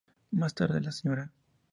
Más tarde, la Sra.